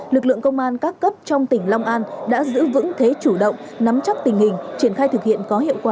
lực lượng công an các cấp trong tỉnh long an đã giữ vững thế chủ động nắm chắc tình hình triển khai thực hiện có hiệu quả